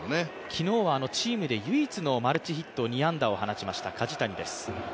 昨日はチームで唯一のマルヒット２安打を放ちました梶谷です。